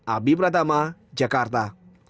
abi pratama jakarta